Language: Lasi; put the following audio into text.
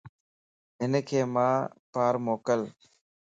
ھنک مان پار موڪل